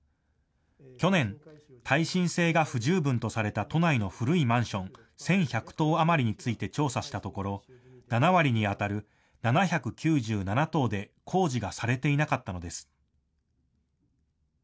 去年、耐震性が不十分とされた都内の古いマンション１１００棟余りについて調査したところ７割にあたる７９７棟で工事がされていなかったのです。